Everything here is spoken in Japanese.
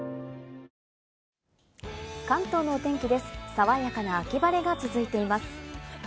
爽やかな秋晴れが続いています。